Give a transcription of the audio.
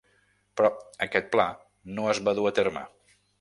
Però aquest pla no es va dur a terme.